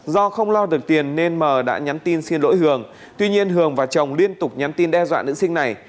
do không lo được tiền nên m đã nhắn tin xin lỗi hường tuy nhiên hường và chồng liên tục nhắn tin đe dọa nữ sinh này